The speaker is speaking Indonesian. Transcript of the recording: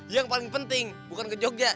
yang paling penting bukan ke jogja